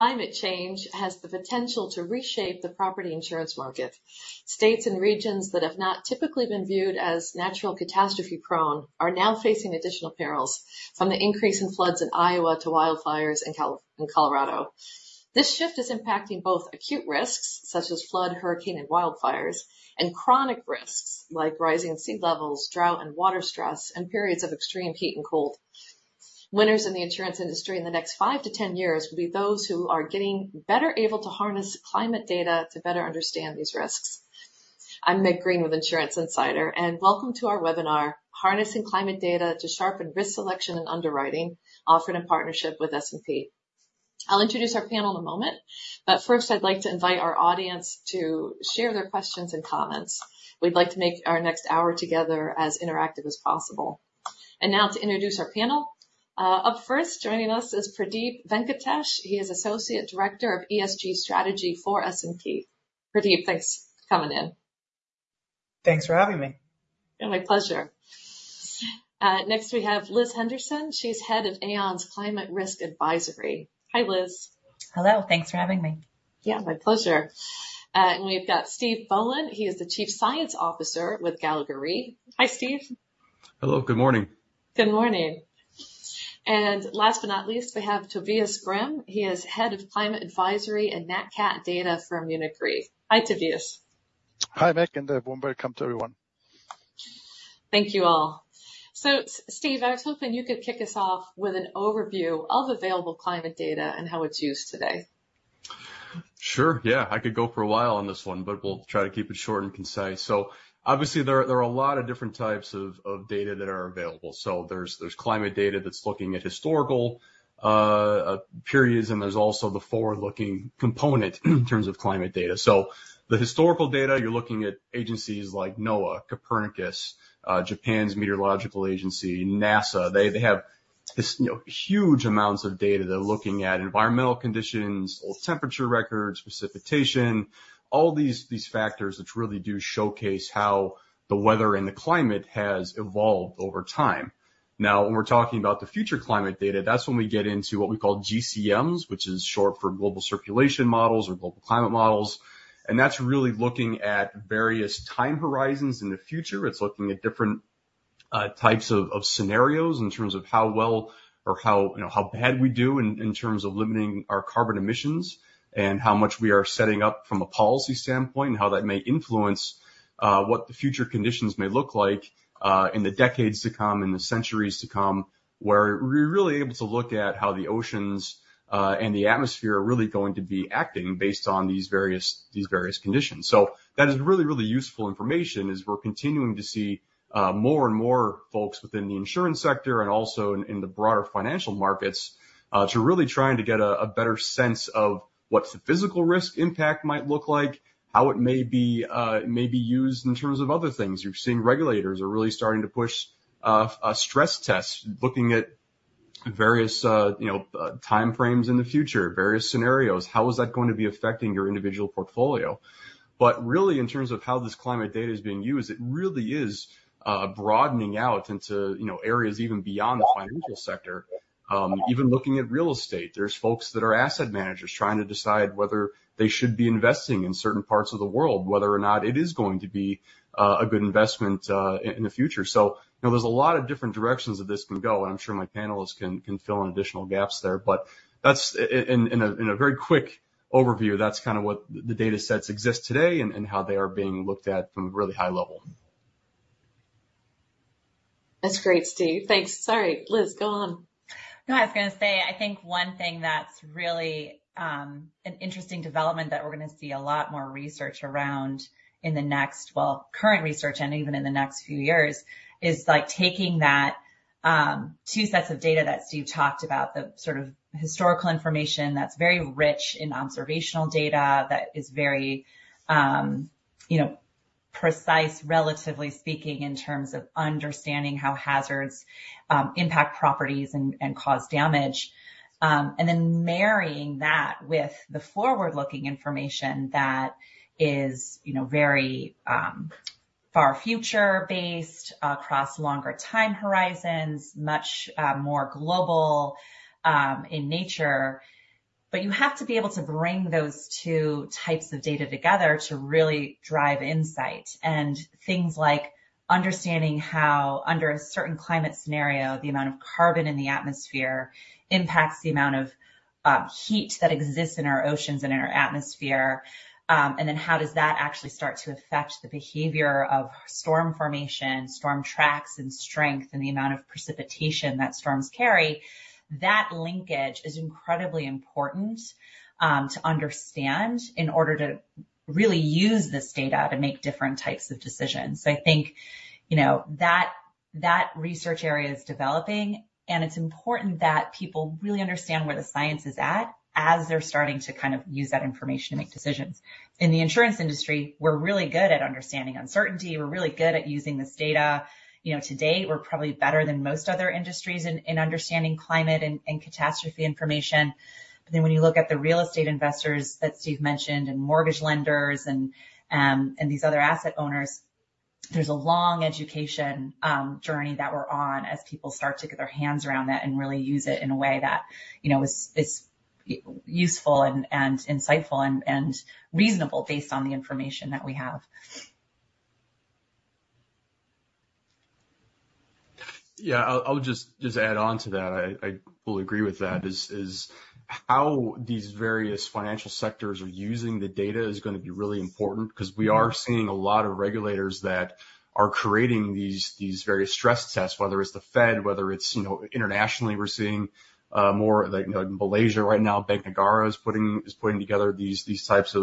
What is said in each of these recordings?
...climate change has the potential to reshape the property insurance market. States and regions that have not typically been viewed as natural catastrophe prone are now facing additional perils from the increase in floods in Iowa to wildfires in Colorado. This shift is impacting both acute risks, such as flood, hurricane, and wildfires, and chronic risks like rising sea levels, drought and water stress, and periods of extreme heat and cold. Winners in the insurance industry in the next 5-10 years will be those who are getting better able to harness climate data to better understand these risks. I'm Meg Green with Insurance Insider, and welcome to our webinar, Harnessing Climate Data to Sharpen Risk Selection and Underwriting, offered in partnership with S&P. I'll introduce our panel in a moment, but first, I'd like to invite our audience to share their questions and comments. We'd like to make our next hour together as interactive as possible. Now to introduce our panel. Up first, joining us is Pradeep Venkatesh. He is Associate Director of ESG Strategy for S&P. Pradeep, thanks for coming in. Thanks for having me. Yeah, my pleasure. Next, we have Liz Henderson. She's Head of Aon's Climate Risk Advisory. Hi, Liz. Hello. Thanks for having me. Yeah, my pleasure. And we've got Steve Bowen. He is the Chief Science Officer with Gallagher Re. Hi, Steve. Hello, good morning. Good morning. Last but not least, we have Tobias Grimm. He is Head of Climate Advisory and Nat Cat Data from Munich Re. Hi, Tobias. Hi, Meg, and a warm welcome to everyone. Thank you all. So Steve, I was hoping you could kick us off with an overview of available climate data and how it's used today. Sure, yeah. I could go for a while on this one, but we'll try to keep it short and concise. So obviously, there are a lot of different types of data that are available. So there's climate data that's looking at historical periods, and there's also the forward-looking component in terms of climate data. So the historical data, you're looking at agencies like NOAA, Copernicus, Japan's Meteorological Agency, NASA. They have this, you know, huge amounts of data. They're looking at environmental conditions, old temperature records, precipitation, all these factors, which really do showcase how the weather and the climate has evolved over time. Now, when we're talking about the future climate data, that's when we get into what we call GCMs, which is short for global circulation models or global climate models. That's really looking at various time horizons in the future. It's looking at different types of scenarios in terms of how well or how, you know, how bad we do in terms of limiting our carbon emissions and how much we are setting up from a policy standpoint, and how that may influence what the future conditions may look like in the decades to come, in the centuries to come, where we're really able to look at how the oceans and the atmosphere are really going to be acting based on these various conditions. So that is really, really useful information, as we're continuing to see more and more folks within the insurance sector and also in the broader financial markets to really trying to get a better sense of what the physical risk impact might look like, how it may be may be used in terms of other things. You're seeing regulators are really starting to push a stress test, looking at various you know time frames in the future, various scenarios. How is that going to be affecting your individual portfolio? But really, in terms of how this climate data is being used, it really is broadening out into you know areas even beyond the financial sector. Even looking at real estate, there's folks that are asset managers trying to decide whether they should be investing in certain parts of the world, whether or not it is going to be a good investment in the future. So, you know, there's a lot of different directions that this can go, and I'm sure my panelists can fill in additional gaps there. But that's in a very quick overview, that's kind of what the data sets exist today and how they are being looked at from a really high level. That's great, Steve. Thanks. Sorry, Liz, go on. No, I was gonna say, I think one thing that's really, an interesting development that we're gonna see a lot more research around in the next... well, current research and even in the next few years, is like taking that, two sets of data that Steve talked about, the sort of historical information that's very rich in observational data, that is very, you know, precise, relatively speaking, in terms of understanding how hazards, impact properties and cause damage. And then marrying that with the forward-looking information that is, you know, very, far future based, across longer time horizons, much, more global, in nature. But you have to be able to bring those two types of data together to really drive insight and things like understanding how, under a certain climate scenario, the amount of carbon in the atmosphere impacts the amount of heat that exists in our oceans and in our atmosphere. And then how does that actually start to affect the behavior of storm formation, storm tracks and strength, and the amount of precipitation that storms carry? That linkage is incredibly important to understand in order to really use this data to make different types of decisions. So I think, you know, that, that research area is developing, and it's important that people really understand where the science is at as they're starting to kind of use that information to make decisions. In the insurance industry, we're really good at understanding uncertainty. We're really good at using this data. You know, today we're probably better than most other industries in understanding climate and catastrophe information. But then when you look at the real estate investors that Steve mentioned, and mortgage lenders and these other asset owners—there's a long education journey that we're on as people start to get their hands around that and really use it in a way that, you know, is useful and insightful and reasonable based on the information that we have. Yeah, I'll just add on to that. I fully agree with that. It's how these various financial sectors are using the data is gonna be really important because we are seeing a lot of regulators that are creating these various stress tests, whether it's the Fed, whether it's, you know, internationally, we're seeing more like in Malaysia right now, Bank Negara is putting together these types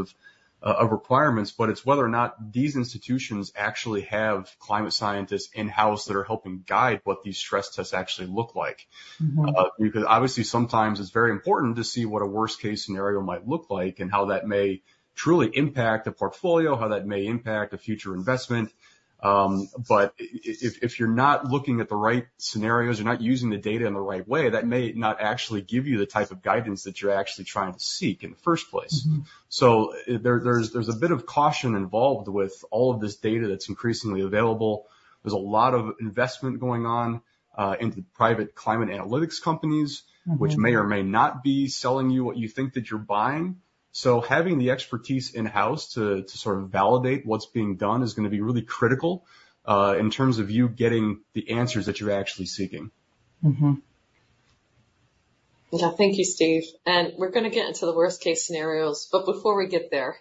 of requirements. But it's whether or not these institutions actually have climate scientists in-house that are helping guide what these stress actually look like. Mm-hmm. Because obviously, sometimes it's very important to see what a worst-case scenario might look like and how that may truly impact a portfolio, how that may impact a future investment. But if you're not looking at the right scenarios, you're not using the data in the right way, that may not actually give you the type of guidance that you're actually trying to seek in the first place. Mm-hmm. So there's a bit of caution involved with all of this data that's increasingly available. There's a lot of investment going on into private climate analytics companies- Mm-hmm... which may or may not be selling you what you think that you're buying. So having the expertise in-house to sort of validate what's being done is gonna be really critical, in terms of you getting the answers that you're actually seeking. Mm-hmm. Yeah. Thank you, Steve. We're gonna get into the worst-case scenarios, but before we get there,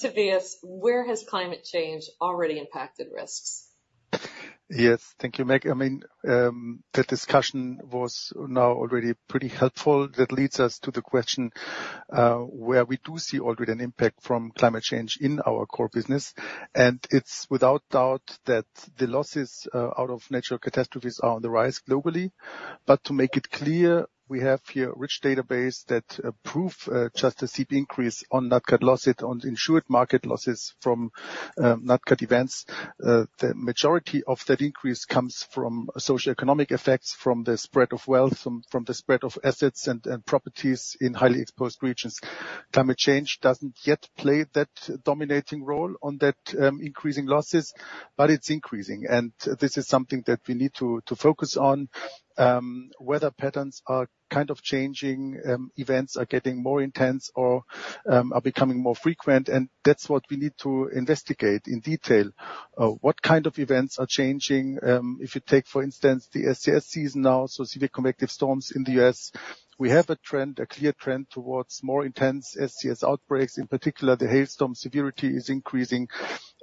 Tobias, where has climate change already impacted risks? Yes, thank you, Meg. I mean, the discussion was now already pretty helpful. That leads us to the question, where we do see already an impact from climate change in our core business, and it's without doubt that the losses out of natural catastrophes are on the rise globally. But to make it clear, we have here a rich database that prove just a steep increase on insured market losses from Nat Cat events. The majority of that increase comes from socioeconomic effects, from the spread of wealth, from the spread of assets and properties in highly exposed regions. Climate change doesn't yet play that dominating role on that increasing losses, but it's increasing, and this is something that we need to focus on. Weather patterns are kind of changing, events are getting more intense or are becoming more frequent, and that's what we need to investigate in detail. What kind of events are changing? If you take, for instance, the SCS season now, so severe convective storms in the U.S., we have a trend, a clear trend towards more intense SCS outbreaks. In particular, the hailstorm severity is increasing.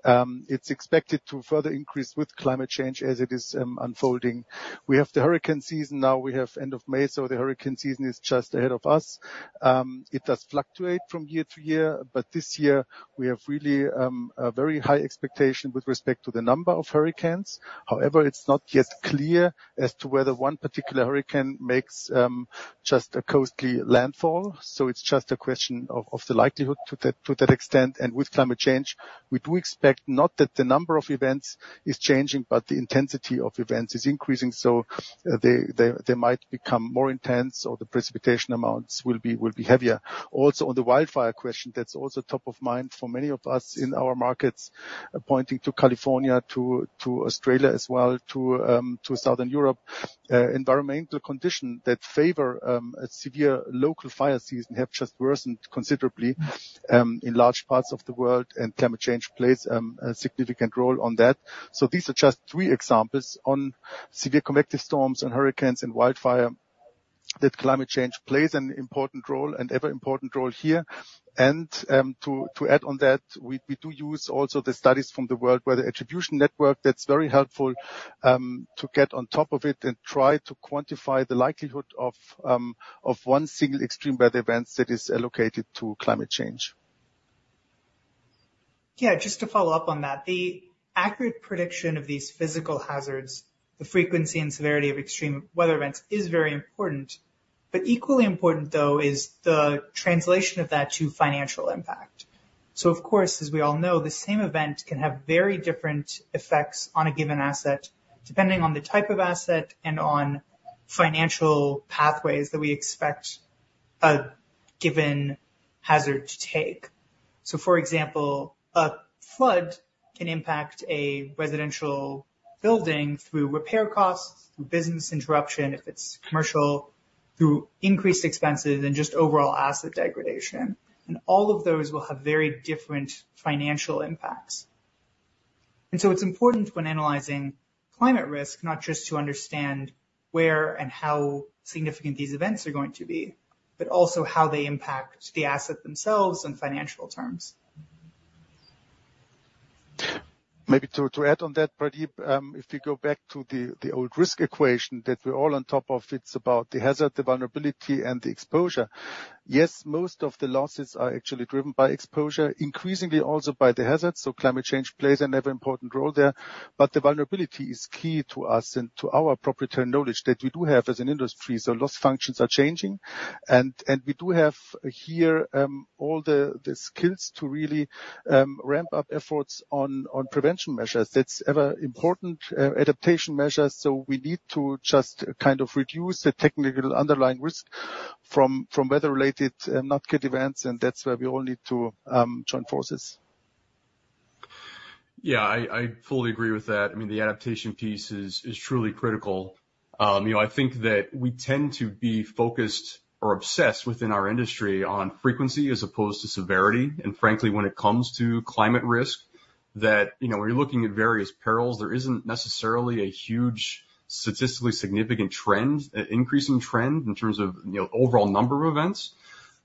It's expected to further increase with climate change as it is unfolding. We have the hurricane season now. We have end of May, so the hurricane season is just ahead of us. It does fluctuate from year to year, but this year we have really a very high expectation with respect to the number of hurricanes. However, it's not yet clear as to whether one particular hurricane makes just a costly landfall. So it's just a question of the likelihood to that extent. And with climate change, we do expect not that the number of events is changing, but the intensity of events is increasing, so they might become more intense or the precipitation amounts will be heavier. Also, on the wildfire question, that's also top of mind for many of us in our markets, pointing to California, to Australia as well, to Southern Europe. Environmental conditions that favor a severe local fire season have just worsened considerably in large parts of the world, and climate change plays a significant role on that. So these are just three examples on severe convective storms and hurricanes and wildfire, that climate change plays an important role, an ever-important role here. And, to add on that, we do use also the studies from the World Weather Attribution network, that's very helpful, to get on top of it and try to quantify the likelihood of one single extreme weather events that is allocated to climate change. Yeah, just to follow up on that, the accurate prediction of these physical hazards, the frequency and severity of extreme weather events, is very important. But equally important, though, is the translation of that to financial impact. So of course, as we all know, the same event can have very different effects on a given asset, depending on the type of asset and on financial pathways that we expect a given hazard to take. So for example, a flood can impact a residential building through repair costs, through business interruption, if it's commercial, through increased expenses and just overall asset degradation, and all of those will have very different financial impacts. And so it's important when analyzing climate risk, not just to understand where and how significant these events are going to be, but also how they impact the asset themselves in financial terms. Maybe to add on that, Pradeep, if you go back to the old risk equation that we're all on top of, it's about the hazard, the vulnerability, and the exposure. Yes, most of the losses are actually driven by exposure, increasingly also by the hazards, so climate change plays an ever important role there. But the vulnerability is key to us and to our proprietary knowledge that we do have as an industry, so loss functions are changing. And we do have here all the skills to really ramp up efforts on prevention measures. That's ever important, adaptation measures, so we need to just kind of reduce the technical underlying risk.... from weather-related, Nat Cat events, and that's where we all need to join forces. Yeah, I fully agree with that. I mean, the adaptation piece is truly critical. You know, I think that we tend to be focused or obsessed within our industry on frequency as opposed to severity. And frankly, when it comes to climate risk, that, you know, when you're looking at various perils, there isn't necessarily a huge statistically significant trend, an increasing trend in terms of, you know, overall number of events,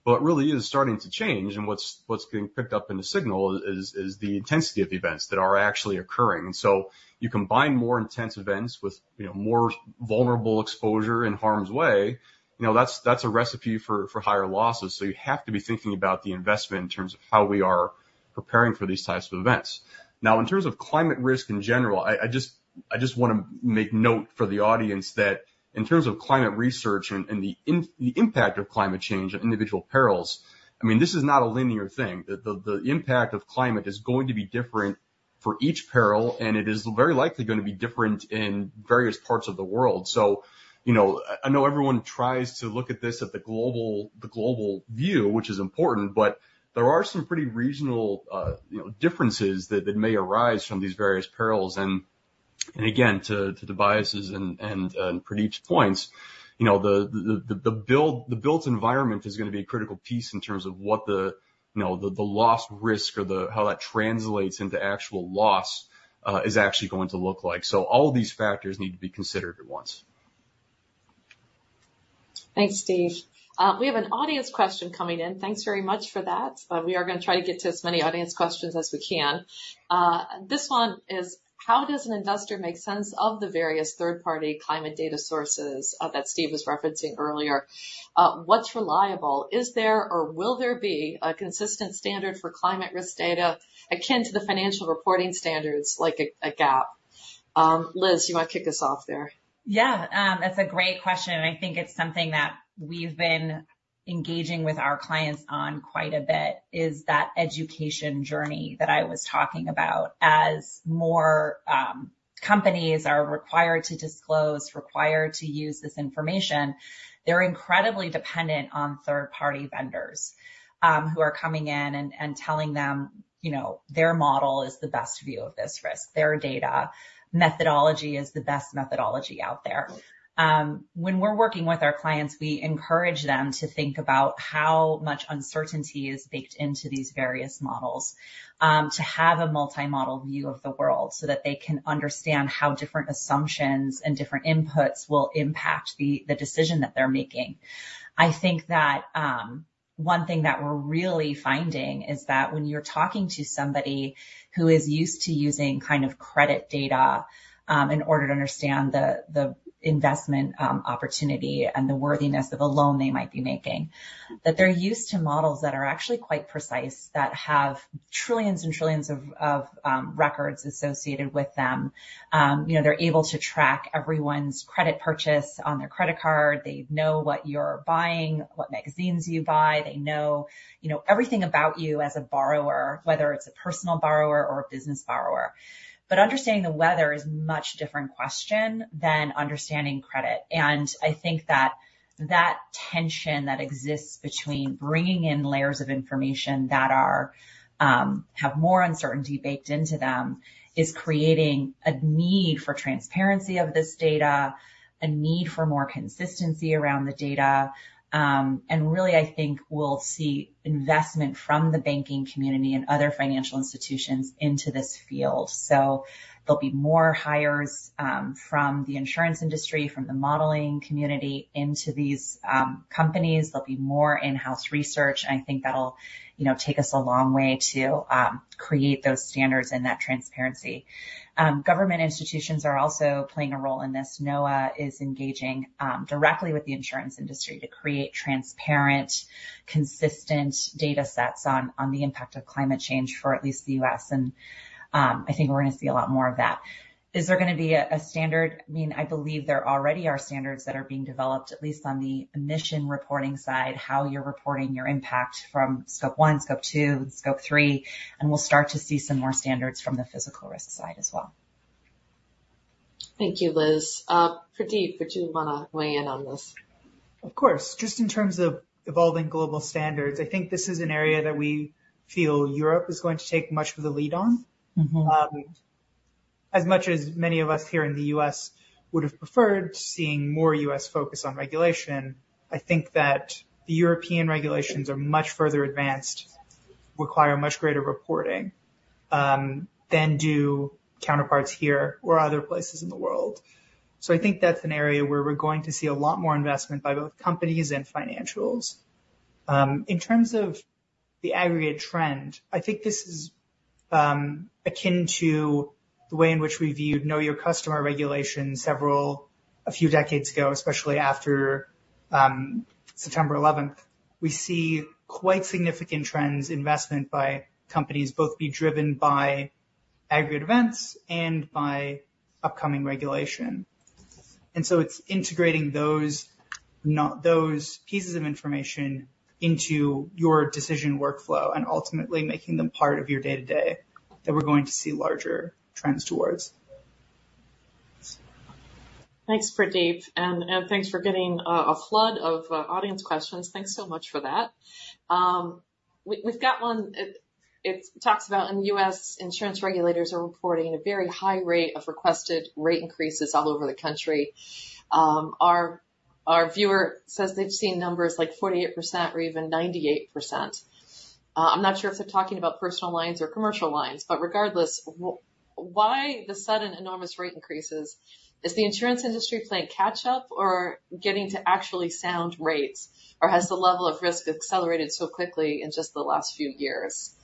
but really is starting to change. And what's being picked up in the signal is the intensity of the events that are actually occurring. And so you combine more intense events with, you know, more vulnerable exposure in harm's way, you know, that's a recipe for higher losses. So you have to be thinking about the investment in terms of how we are preparing for these types of events. Now, in terms of climate risk in general, I just wanna make note for the audience that in terms of climate research and the impact of climate change on individual perils, I mean, this is not a linear thing. The impact of climate is going to be different for each peril, and it is very likely gonna be different in various parts of the world. So, you know, I know everyone tries to look at this at the global view, which is important, but there are some pretty regional differences that may arise from these various perils. And again, to Tobias' and Pradeep's points, you know, the built environment is gonna be a critical piece in terms of what, you know, the loss risk or how that translates into actual loss is actually going to look like. So all these factors need to be considered at once. Thanks, Steve. We have an audience question coming in. Thanks very much for that. But we are gonna try to get to as many audience questions as we can. This one is: how does an investor make sense of the various third-party climate data sources that Steve was referencing earlier? What's reliable? Is there, or will there be a consistent standard for climate risk data akin to the financial reporting standards like a GAAP? Liz, you wanna kick us off there? Yeah. That's a great question, and I think it's something that we've been engaging with our clients on quite a bit, is that education journey that I was talking about. As more companies are required to disclose, required to use this information, they're incredibly dependent on third-party vendors who are coming in and, and telling them, you know, their model is the best view of this risk. Their data methodology is the best methodology out there. When we're working with our clients, we encourage them to think about how much uncertainty is baked into these various models to have a multi-model view of the world, so that they can understand how different assumptions and different inputs will impact the, the decision that they're making. I think that, one thing that we're really finding is that when you're talking to somebody who is used to using kind of credit data, in order to understand the investment, opportunity and the worthiness of a loan they might be making, that they're used to models that are actually quite precise, that have trillions and trillions of records associated with them. You know, they're able to track everyone's credit purchase on their credit card. They know what you're buying, what magazines you buy. They know, you know, everything about you as a borrower, whether it's a personal borrower or a business borrower. But understanding the weather is a much different question than understanding credit, and I think that that tension that exists between bringing in layers of information that are, have more uncertainty baked into them, is creating a need for transparency of this data, a need for more consistency around the data, and really, I think we'll see investment from the banking community and other financial institutions into this field. So there'll be more hires, from the insurance industry, from the modeling community into these, companies. There'll be more in-house research, and I think that'll, you know, take us a long way to, create those standards and that transparency. Government institutions are also playing a role in this. NOAA is engaging directly with the insurance industry to create transparent, consistent data sets on the impact of climate change for at least the U.S., and I think we're gonna see a lot more of that. Is there gonna be a standard? I mean, I believe there already are standards that are being developed, at least on the emission reporting side, how you're reporting your impact from Scope 1, Scope 2, Scope 3, and we'll start to see some more standards from the physical risk side as well. Thank you, Liz. Pradeep, would you wanna weigh in on this? Of course. Just in terms of evolving global standards, I think this is an area that we feel Europe is going to take much of the lead on. Mm-hmm. As much as many of us here in the U.S. would have preferred seeing more U.S. focus on regulation, I think that the European regulations are much further advanced, require much greater reporting, than do counterparts here or other places in the world. So I think that's an area where we're going to see a lot more investment by both companies and financials. In terms of the aggregate trend, I think this is, akin to the way in which we viewed know your customer regulation several... a few decades ago, especially after, September eleventh. We see quite significant trends, investment by companies, both be driven by aggregate events and by upcoming regulation. And so it's integrating those, not those pieces of information into your decision workflow and ultimately making them part of your day-to-day, that we're going to see larger trends towards. ...Thanks, Pradeep, and thanks for getting a flood of audience questions. Thanks so much for that. We've got one, it talks about in the U.S., insurance regulators are reporting a very high rate of requested rate increases all over the country. Our viewer says they've seen numbers like 48% or even 98%. I'm not sure if they're talking about personal lines or commercial lines, but regardless, why the sudden enormous rate increases? Is the insurance industry playing catch up or getting to actually sound rates, or has the level of risk accelerated so quickly in just the last few years?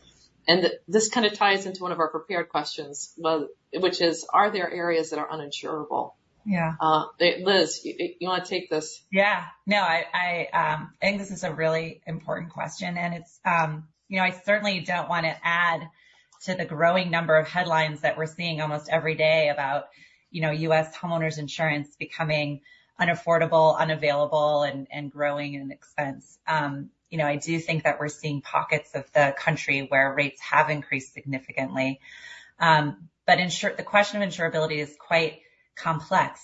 And this kind of ties into one of our prepared questions, well, which is, are there areas that are uninsurable? Yeah. Liz, you wanna take this? Yeah. No, I think this is a really important question, and it's... you know, I certainly don't wanna add to the growing number of headlines that we're seeing almost every day about, you know, US homeowners insurance becoming unaffordable, unavailable, and growing in expense. You know, I do think that we're seeing pockets of the country where rates have increased significantly. But the question of insurability is quite complex,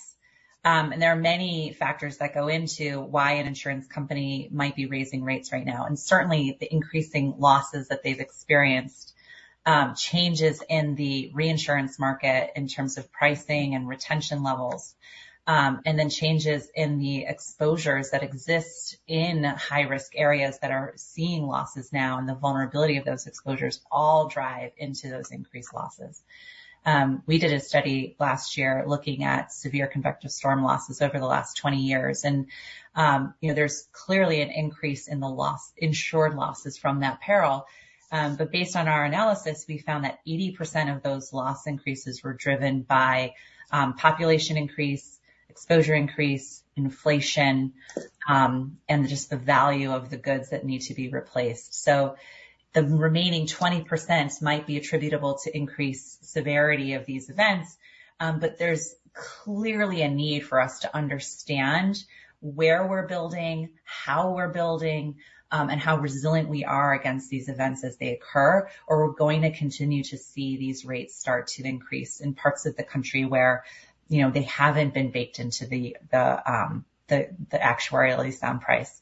and there are many factors that go into why an insurance company might be raising rates right now, and certainly, the increasing losses that they've experienced, changes in the reinsurance market in terms of pricing and retention levels, and then changes in the exposures that exist in high-risk areas that are seeing losses now, and the vulnerability of those exposures all drive into those increased losses. We did a study last year looking at severe convective storm losses over the last 20 years, and, you know, there's clearly an increase in the loss, insured losses from that peril. But based on our analysis, we found that 80% of those loss increases were driven by, population increase, exposure increase, inflation, and just the value of the goods that need to be replaced. So the remaining 20% might be attributable to increased severity of these events, but there's clearly a need for us to understand where we're building, how we're building, and how resilient we are against these events as they occur, or we're going to continue to see these rates start to increase in parts of the country where, you know, they haven't been baked into the actuarially sound price.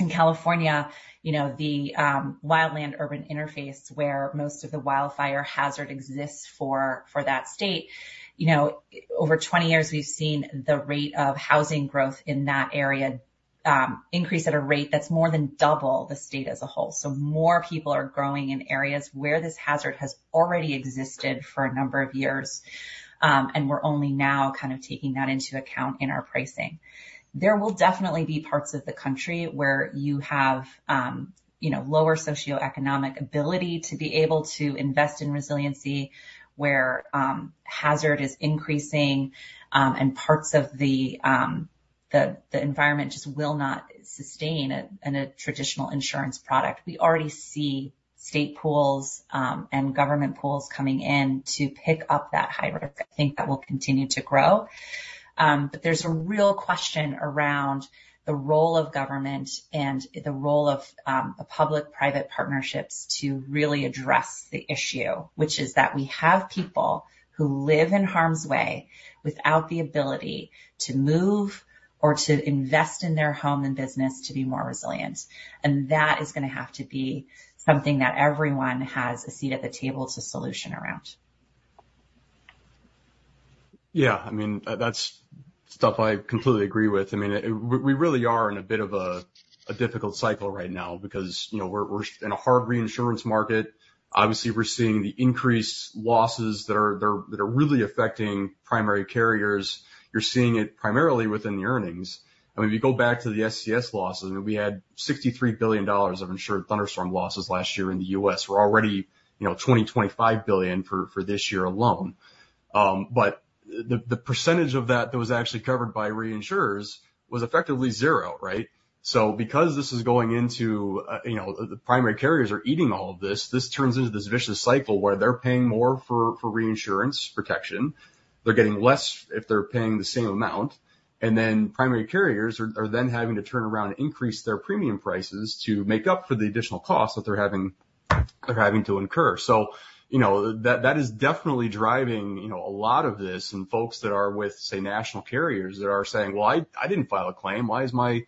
In California, you know, the wildland urban interface, where most of the wildfire hazard exists for that state, you know, over 20 years, we've seen the rate of housing growth in that area increase at a rate that's more than double the state as a whole. So more people are growing in areas where this hazard has already existed for a number of years, and we're only now kind of taking that into account in our pricing. There will definitely be parts of the country where you have, you know, lower socioeconomic ability to be able to invest in resiliency, where hazard is increasing, and parts of the environment just will not sustain in a traditional insurance product. We already see state pools and government pools coming in to pick up that high risk. I think that will continue to grow. But there's a real question around the role of government and the role of, the public-private partnerships to really address the issue, which is that we have people who live in harm's way without the ability to move or to invest in their home and business to be more resilient, and that is gonna have to be something that everyone has a seat at the table to solution around. Yeah, I mean, that's stuff I completely agree with. I mean, we really are in a bit of a difficult cycle right now because, you know, we're in a hard reinsurance market. Obviously, we're seeing the increased losses that are really affecting primary carriers. You're seeing it primarily within the earnings. I mean, if you go back to the SCS losses, I mean, we had $63 billion of insured thunderstorm losses last year in the U.S. We're already, you know, $25 billion for this year alone. But the percentage of that that was actually covered by reinsurers was effectively zero, right? So because this is going into, you know, the primary carriers are eating all of this, this turns into this vicious cycle where they're paying more for reinsurance protection. They're getting less if they're paying the same amount, and then primary carriers are then having to turn around and increase their premium prices to make up for the additional costs that they're having, they're having to incur. So, you know, that is definitely driving, you know, a lot of this, and folks that are with, say, national carriers, they are saying, "Well, I didn't file a claim. Why is my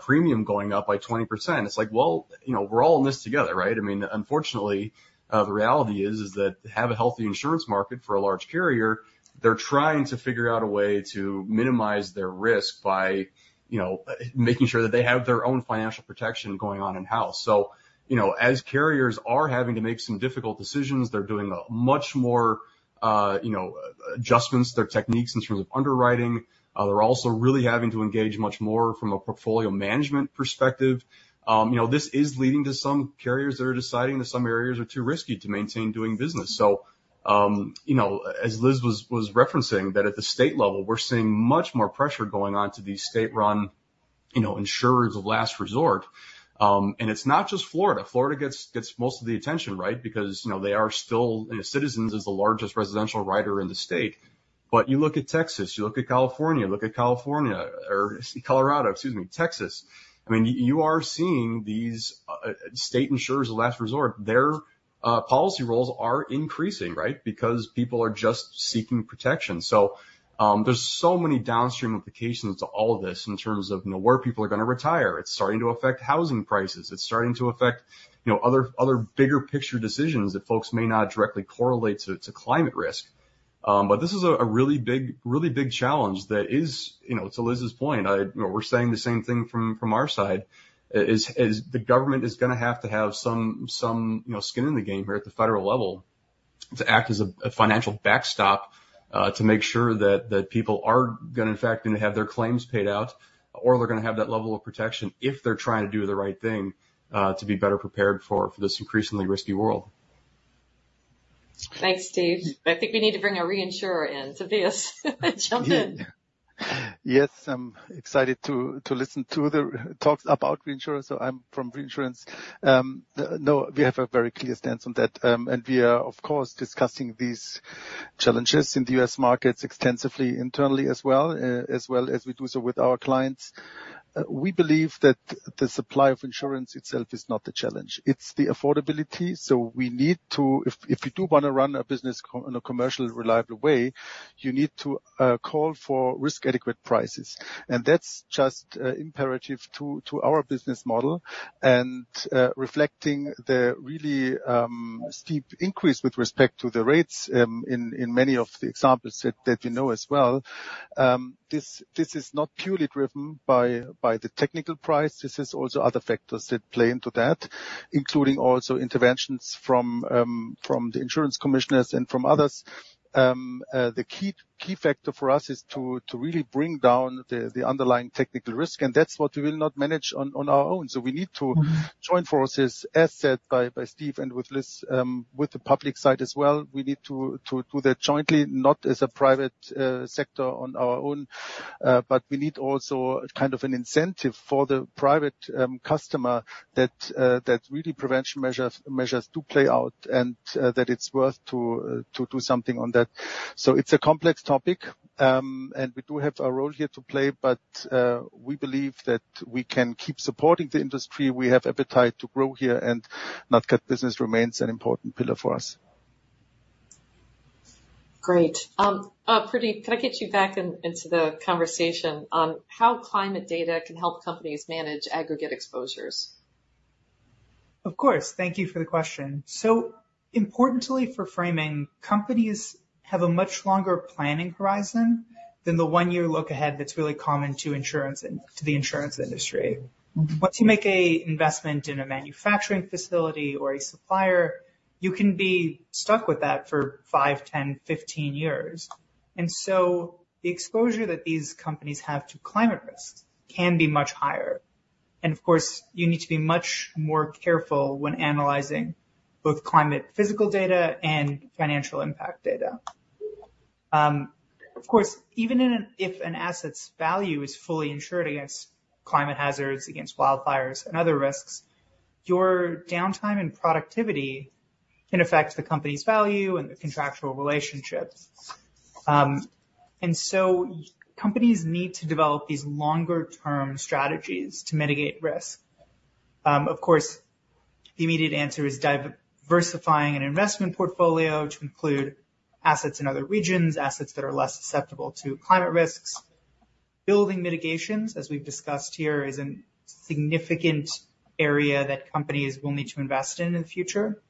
premium going up by 20%?" It's like, well, you know, we're all in this together, right? I mean, unfortunately, the reality is that to have a healthy insurance market for a large carrier, they're trying to figure out a way to minimize their risk by, you know, making sure that they have their own financial protection going on in-house. So, you know, as carriers are having to make some difficult decisions, they're doing a much more, you know, adjustments to their techniques in terms of underwriting. They're also really having to engage much more from a portfolio management perspective. You know, this is leading to some carriers that are deciding that some areas are too risky to maintain doing business. So, you know, as Liz was referencing, that at the state level, we're seeing much more pressure going on to these state-run, you know, insurers of last resort. And it's not just Florida. Florida gets most of the attention, right? Because, you know, they are still, you know, Citizens is the largest residential writer in the state.... but you look at Texas, you look at California, look at California or Colorado, excuse me, Texas. I mean, you are seeing these state insurers of last resort, their policy rolls are increasing, right? Because people are just seeking protection. So, there's so many downstream implications to all of this in terms of, you know, where people are gonna retire. It's starting to affect housing prices. It's starting to affect, you know, other, other bigger picture decisions that folks may not directly correlate to, to climate risk. But this is a really big, really big challenge that is, you know, to Liz's point, I... You know, we're saying the same thing from our side is the government is gonna have to have some, you know, skin in the game here at the federal level to act as a financial backstop to make sure that people are gonna in fact have their claims paid out, or they're gonna have that level of protection if they're trying to do the right thing to be better prepared for this increasingly risky world. Thanks, Steve. I think we need to bring a reinsurer in. Tobias, jump in. Yes, I'm excited to listen to the talks about reinsurance, so I'm from reinsurance. No, we have a very clear stance on that. And we are, of course, discussing these challenges in the U.S. markets extensively, internally as well, as well as we do so with our clients. We believe that the supply of insurance itself is not the challenge, it's the affordability. So we need to... if you do wanna run a business in a commercial, reliable way, you need to call for risk-adequate prices. And that's just imperative to our business model. And reflecting the really steep increase with respect to the rates, in many of the examples that we know as well. This is not purely driven by the technical price; this is also other factors that play into that, including also interventions from the insurance commissioners and from others. The key factor for us is to really bring down the underlying technical risk, and that's what we will not manage on our own. So we need to- Mm-hmm. -join forces, as said by Steve and with Liz, with the public side as well. We need to do that jointly, not as a private sector on our own, but we need also kind of an incentive for the private customer that really prevention measures do play out and that it's worth to do something on that. So it's a complex topic, and we do have a role here to play, but we believe that we can keep supporting the industry. We have appetite to grow here, and not that business remains an important pillar for us. Great. Pradeep, can I get you back in, into the conversation on how climate data can help companies manage aggregate exposures? Of course. Thank you for the question. Importantly for framing, companies have a much longer planning horizon than the one-year look ahead that's really common to insurance and to the insurance industry. Mm-hmm. Once you make an investment in a manufacturing facility or a supplier, you can be stuck with that for 5, 10, 15 years. And so the exposure that these companies have to climate risks can be much higher. And of course, you need to be much more careful when analyzing both climate physical data and financial impact data. Of course, if an asset's value is fully insured against climate hazards, against wildfires and other risks, your downtime and productivity can affect the company's value and the contractual relationship. And so companies need to develop these longer term strategies to mitigate risk. Of course, the immediate answer is diversifying an investment portfolio to include assets in other regions, assets that are less susceptible to climate risks. Building mitigations, as we've discussed here, is a significant area that companies will need to invest in in the future.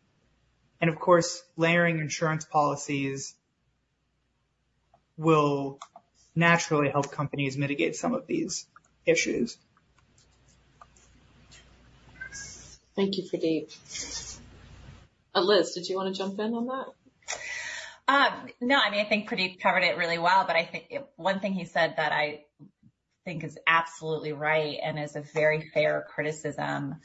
Of course, layering insurance policies will naturally help companies mitigate some of these issues. Thank you, Pradeep. Liz, did you wanna jump in on that? No, I mean, I think Pradeep covered it really well, but I think one thing he said that I think is absolutely right and is a very fair criticism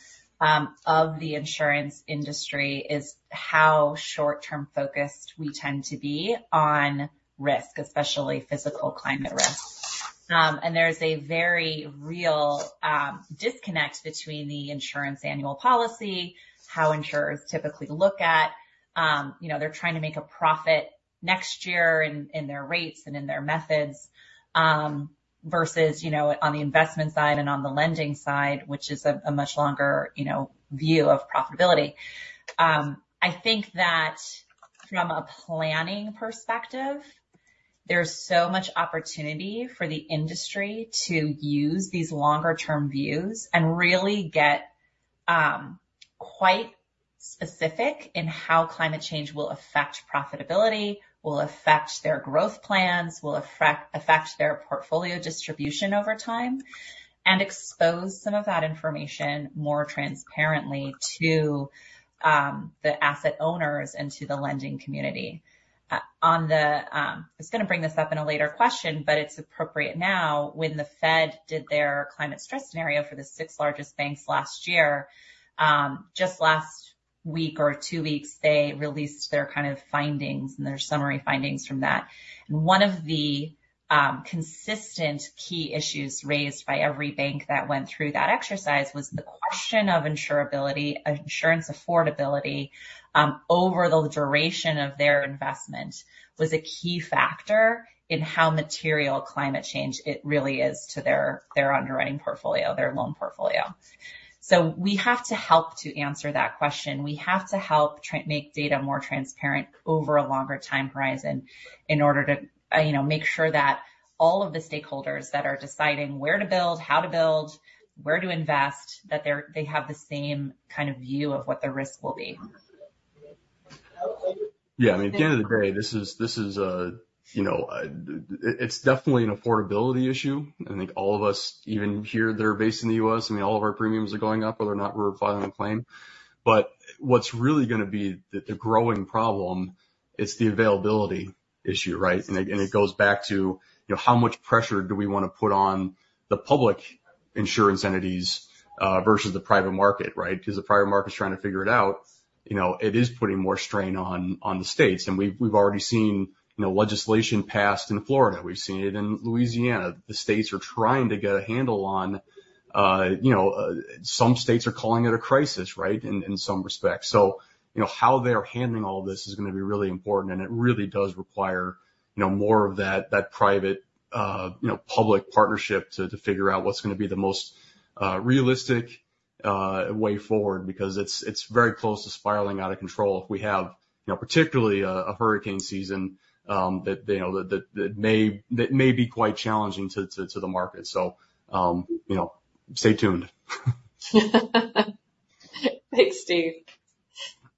of the insurance industry, is how short-term focused we tend to be on risk, especially physical climate risk. And there's a very real disconnect between the insurance annual policy, how insurers typically look at, you know, they're trying to make a profit next year in their rates and in their methods versus, you know, on the investment side and on the lending side, which is a much longer view of profitability. I think that from a planning perspective, there's so much opportunity for the industry to use these longer term views and really get quite specific in how climate change will affect profitability, will affect their growth plans, will affect their portfolio distribution over time, and expose some of that information more transparently to the asset owners and to the lending community. On the... I was gonna bring this up in a later question, but it's appropriate now. When the Fed did their climate stress scenario for the six largest banks last year, just last week or two weeks, they released their kind of findings and their summary findings from that. And one of the-... consistent key issues raised by every bank that went through that exercise was the question of insurability, insurance affordability, over the duration of their investment was a key factor in how material climate change it really is to their, their underwriting portfolio, their loan portfolio. So we have to help to answer that question. We have to help make data more transparent over a longer time horizon in order to, you know, make sure that all of the stakeholders that are deciding where to build, how to build, where to invest, that they have the same kind of view of what the risk will be. Yeah, I mean, at the end of the day, this is, you know, it's definitely an affordability issue. I think all of us, even here that are based in the U.S., I mean, all of our premiums are going up, whether or not we're filing a claim. But what's really gonna be the growing problem is the availability issue, right? And it goes back to, you know, how much pressure do we wanna put on the public insurance entities versus the private market, right? 'Cause the private market's trying to figure it out, you know, it is putting more strain on the states. And we've already seen, you know, legislation passed in Florida. We've seen it in Louisiana. The states are trying to get a handle on some states are calling it a crisis, right? In some respects. So, you know, how they're handling all this is gonna be really important, and it really does require, you know, more of that private public partnership to figure out what's gonna be the most realistic way forward, because it's very close to spiraling out of control if we have, you know, particularly a hurricane season that may be quite challenging to the market. So, you know, stay tuned. Thanks, Steve.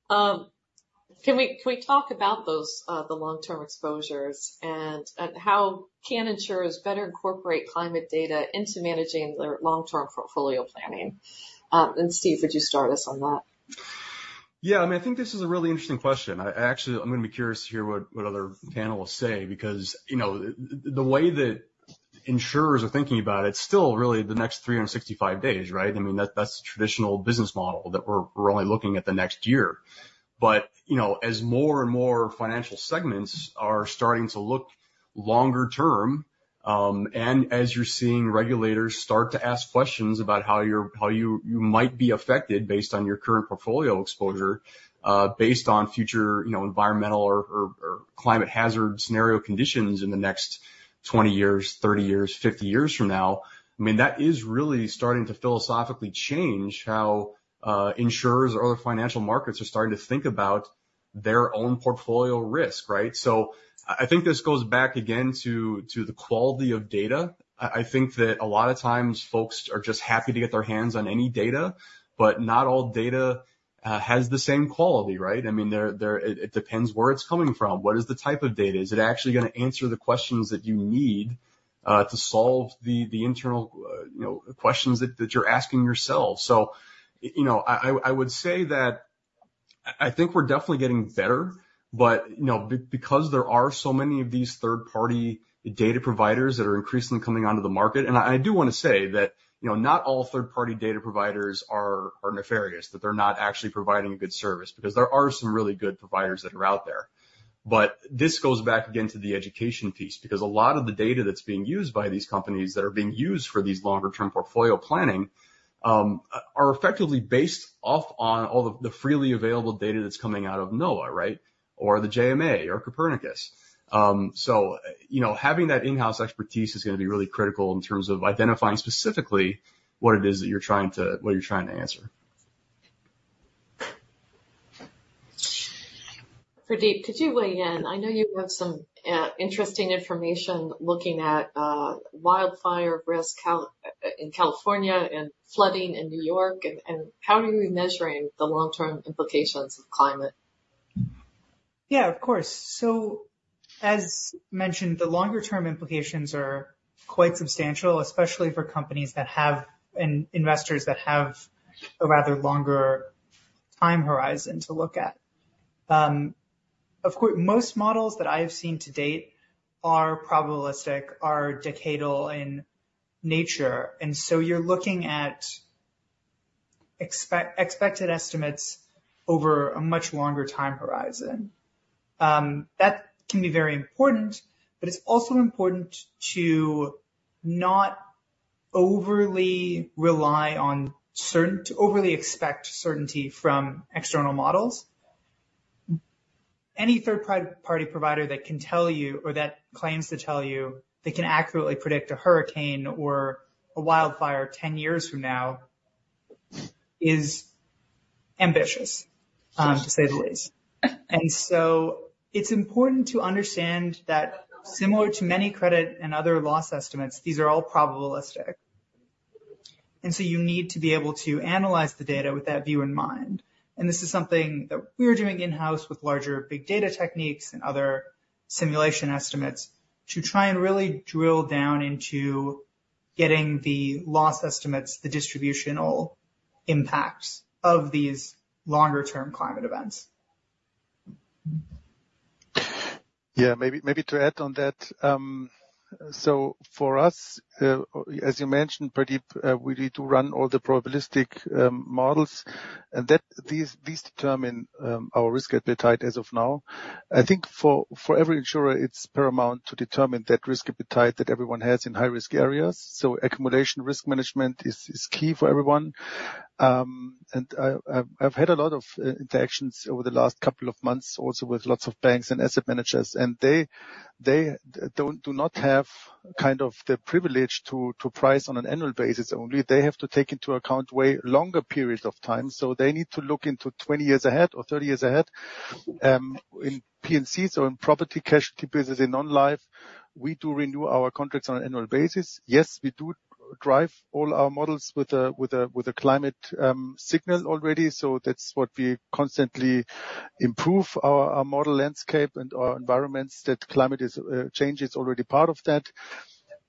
Can we talk about those, the long-term exposures and how can insurers better incorporate climate data into managing their long-term portfolio planning? And Steve, would you start us on that? Yeah, I mean, I think this is a really interesting question. I'm actually gonna be curious to hear what other panelists say, because, you know, the way that insurers are thinking about it, it's still really the next 365 days, right? I mean, that's the traditional business model, that we're only looking at the next year. But, you know, as more and more financial segments are starting to look longer term, and as you're seeing regulators start to ask questions about how you might be affected based on your current portfolio exposure, based on future, you know, environmental or climate hazard scenario conditions in the next 20 years, 30 years, 50 years from now, I mean, that is really starting to philosophically change how insurers or other financial markets are starting to think about their own portfolio risk, right? So I think this goes back again to the quality of data. I think that a lot of times folks are just happy to get their hands on any data, but not all data has the same quality, right? I mean, it depends where it's coming from. What is the type of data? Is it actually gonna answer the questions that you need to solve the internal, you know, questions that you're asking yourselves? So, you know, I would say that I think we're definitely getting better, but, you know, because there are so many of these third-party data providers that are increasingly coming onto the market, and I do wanna say that, you know, not all third-party data providers are nefarious, that they're not actually providing a good service, because there are some really good providers that are out there. But this goes back again to the education piece, because a lot of the data that's being used by these companies that are being used for these longer term portfolio planning are effectively based off on all the freely available data that's coming out of NOAA, right? Or the JMA or Copernicus. So, you know, having that in-house expertise is gonna be really critical in terms of identifying specifically what it is that you're trying to—what you're trying to answer. Pradeep, could you weigh in? I know you have some interesting information looking at wildfire risk in California and flooding in New York, and, and how are you measuring the long-term implications of climate? Yeah, of course. So as mentioned, the longer term implications are quite substantial, especially for companies that have and investors that have a rather longer time horizon to look at. Of course, most models that I have seen to date are probabilistic, are decadal in nature, and so you're looking at expected estimates over a much longer time horizon. That can be very important, but it's also important to not overly rely on to overly expect certainty from external models. Any third party provider that can tell you or that claims to tell you they can accurately predict a hurricane or a wildfire 10 years from now is ambitious, to say the least. And so it's important to understand that similar to many credit and other loss estimates, these are all probabilistic. So you need to be able to analyze the data with that view in mind. This is something that we're doing in-house with larger big data techniques and other simulation estimates to try and really drill down into getting the loss estimates, the distributional impacts of these longer term climate events. ...Yeah, maybe to add on that, so for us, as you mentioned, Pradeep, we need to run all the probabilistic models, and that these determine our risk appetite as of now. I think for every insurer, it's paramount to determine that risk appetite that everyone has in high-risk areas. So accumulation risk management is key for everyone. And I've had a lot of interactions over the last couple of months, also with lots of banks and asset managers, and they do not have kind of the privilege to price on an annual basis only. They have to take into account way longer periods of time. So they need to look into 20 years ahead or 30 years ahead. In P&Cs or in property casualty business, in non-life, we do renew our contracts on an annual basis. Yes, we do drive all our models with a climate signal already, so that's what we constantly improve our model landscape and our environments, that climate change is already part of that.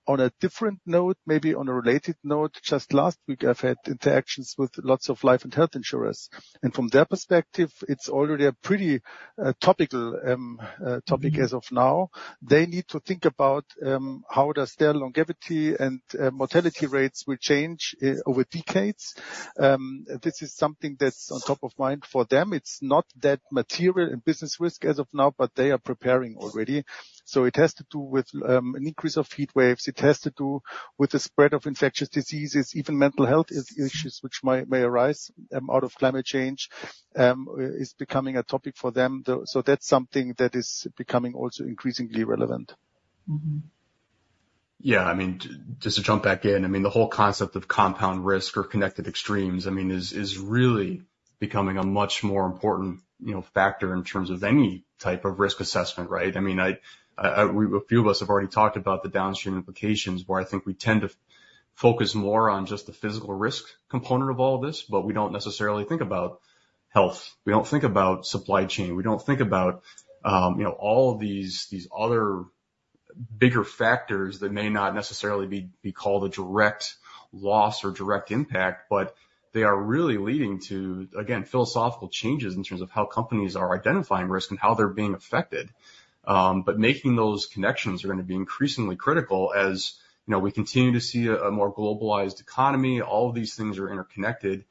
On a different note, maybe on a related note, just last week, I've had interactions with lots of life and health insurers, and from their perspective, it's already a pretty topical topic as of now. They need to think about how does their longevity and mortality rates will change over decades. This is something that's on top of mind for them. It's not that material in business risk as of now, but they are preparing already. It has to do with an increase of heat waves. It has to do with the spread of infectious diseases, even mental health issues which may arise out of climate change is becoming a topic for them, though. That's something that is becoming also increasingly relevant. Mm-hmm. Yeah, I mean, just to jump back in, I mean, the whole concept of compound risk or connected extremes, I mean, is really becoming a much more important, you know, factor in terms of any type of risk assessment, right? I mean, a few of us have already talked about the downstream implications, where I think we tend to focus more on just the physical risk component of all this, but we don't necessarily think about health. We don't think about supply chain. We don't think about, you know, all these other bigger factors that may not necessarily be called a direct loss or direct impact, but they are really leading to, again, philosophical changes in terms of how companies are identifying risk and how they're being affected. But making those connections are gonna be increasingly critical, as, you know, we continue to see a more globalized economy. All of these things are interconnected.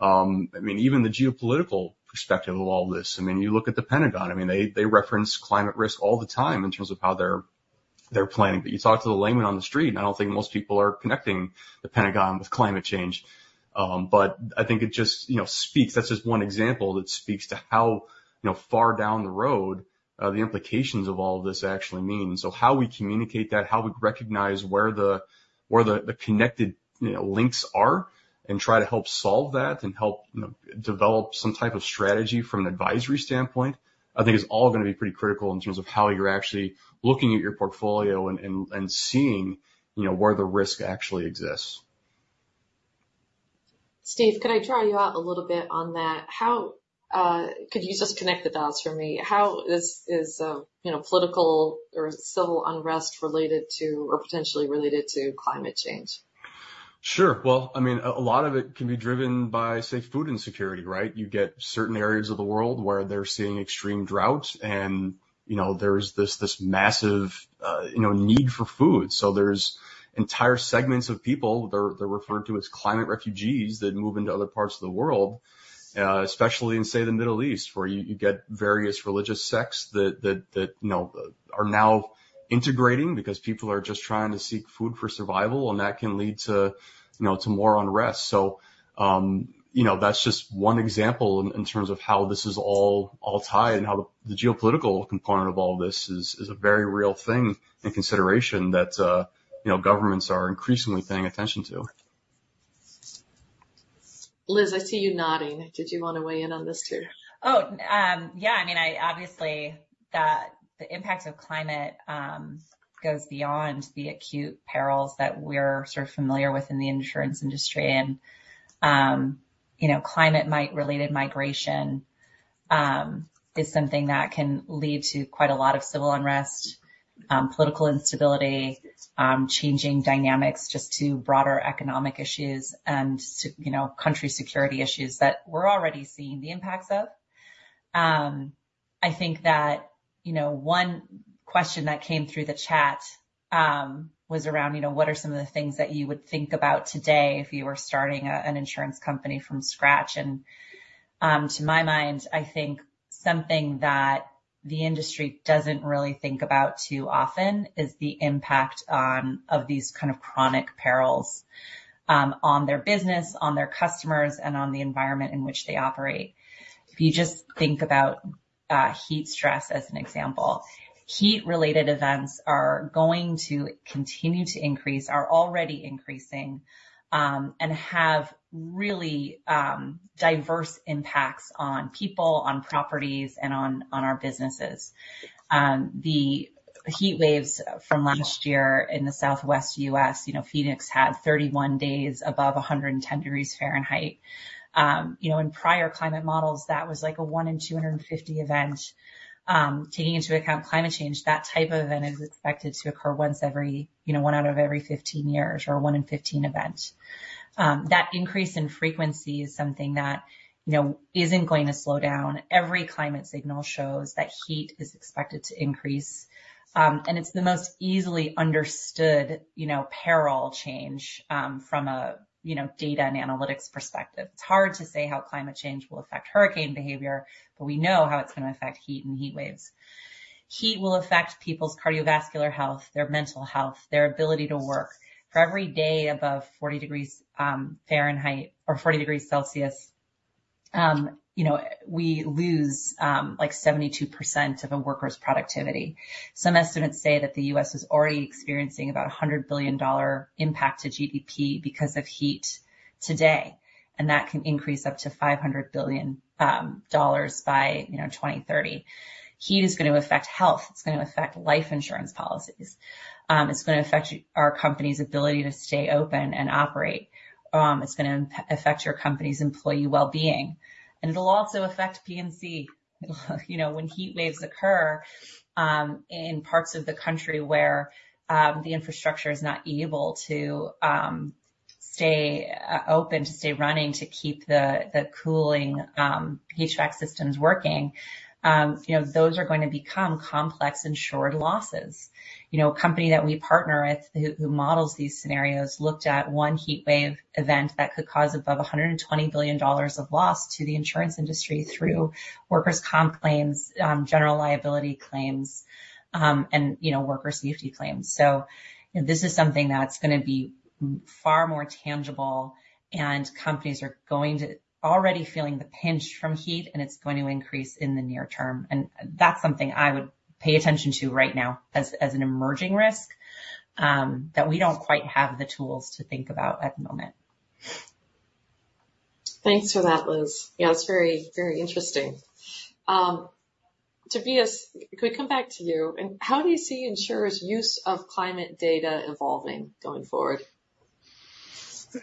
I mean, even the geopolitical perspective of all this, I mean, you look at the Pentagon, I mean, they reference climate risk all the time in terms of how they're planning. But you talk to the layman on the street, and I don't think most people are connecting the Pentagon with climate change. But I think it just, you know, speaks. That's just one example that speaks to how, you know, far down the road the implications of all this actually mean. So how we communicate that, how we recognize where the connected, you know, links are, and try to help solve that and help, you know, develop some type of strategy from an advisory standpoint, I think is all gonna be pretty critical in terms of how you're actually looking at your portfolio and seeing, you know, where the risk actually exists. Steve, could I draw you out a little bit on that? How could you just connect the dots for me? How is, you know, political or civil unrest related to, or potentially related to climate change? Sure. Well, I mean, a lot of it can be driven by, say, food insecurity, right? You get certain areas of the world where they're seeing extreme drought, and, you know, there's this, this massive, you know, need for food. So there's entire segments of people, they're referred to as climate refugees, that move into other parts of the world, especially in, say, the Middle East, where you get various religious sects that, you know, are now integrating because people are just trying to seek food for survival, and that can lead to, you know, to more unrest. So, you know, that's just one example in terms of how this is all tied and how the geopolitical component of all this is a very real thing and consideration that, you know, governments are increasingly paying attention to. Liz, I see you nodding. Did you want to weigh in on this too? Oh, yeah. I mean, I obviously, that the impact of climate goes beyond the acute perils that we're sort of familiar with in the insurance industry. And, you know, climate-induced related migration is something that can lead to quite a lot of civil unrest, political instability, changing dynamics, just to broader economic issues and to, you know, country security issues that we're already seeing the impacts of. I think that, you know, one question that came through the chat was around, you know, what are some of the things that you would think about today if you were starting an insurance company from scratch? And, to my mind, I think something that the industry doesn't really think about too often is the impact on... of these kind of chronic perils, on their business, on their customers, and on the environment in which they operate. If you just think about, heat stress as an example, heat-related events are going to continue to increase, are already increasing, and have really, diverse impacts on people, on properties, and on, on our businesses. The heat waves from last year in the Southwest U.S., you know, Phoenix, had 31 days above 110 degrees Fahrenheit. You know, in prior climate models, that was like a 1 in 250 event. Taking into account climate change, that type of event is expected to occur once every, you know, 1 out of every 15 years or 1 in 15 events. ... That increase in frequency is something that, you know, isn't going to slow down. Every climate signal shows that heat is expected to increase, and it's the most easily understood, you know, peril change, from a, you know, data and analytics perspective. It's hard to say how climate change will affect hurricane behavior, but we know how it's gonna affect heat and heat waves. Heat will affect people's cardiovascular health, their mental health, their ability to work. For every day above 40 degrees Fahrenheit or 40 degrees Celsius, you know, we lose, like 72% of a worker's productivity. Some estimates say that the US is already experiencing about a $100 billion impact to GDP because of heat today, and that can increase up to $500 billion, dollars by, you know, 2030. Heat is gonna affect health, it's gonna affect life insurance policies. It's gonna affect our company's ability to stay open and operate. It's gonna affect your company's employee wellbeing, and it'll also affect P&C. You know, when heat waves occur, in parts of the country where, the infrastructure is not able to, stay, open, to stay running, to keep the, the cooling, HVAC systems working, you know, those are going to become complex insured losses. You know, a company that we partner with, who, who models these scenarios, looked at one heat wave event that could cause above $120 billion of loss to the insurance industry through workers' comp claims, general liability claims, and, you know, worker safety claims. So you know, this is something that's gonna be far more tangible, and companies are going to already feeling the pinch from heat, and it's going to increase in the near term. And that's something I would pay attention to right now as an emerging risk that we don't quite have the tools to think about at the moment. Thanks for that, Liz. Yeah, it's very, very interesting. Tobias, could we come back to you, and how do you see insurers' use of climate data evolving going forward?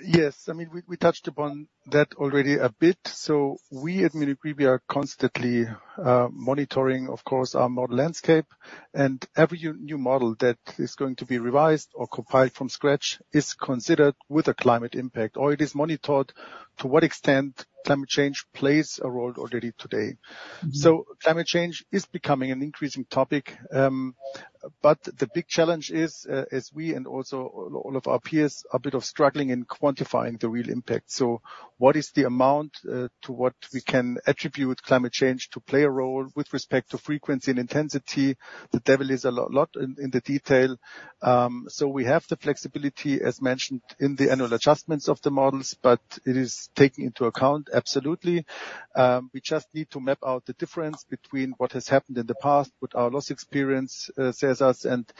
Yes. I mean, we touched upon that already a bit. So we at Munich Re, we are constantly monitoring, of course, our model landscape, and every new model that is going to be revised or compiled from scratch is considered with a climate impact, or it is monitored to what extent climate change plays a role already today. So climate change is becoming an increasing topic, but the big challenge is, as we and also all of our peers are a bit of struggling in quantifying the real impact. So what is the amount, to what we can attribute climate change to play a role with respect to frequency and intensity? The devil is a lot in the detail. So we have the flexibility, as mentioned, in the annual adjustments of the models, but it is taking into account, absolutely. We just need to map out the difference between what has happened in the past, what our loss experience says us, and